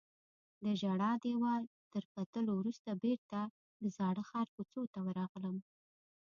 د ژړا دیوال تر کتلو وروسته بیرته د زاړه ښار کوڅو ته ورغلم.